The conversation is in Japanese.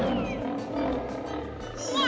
うわ！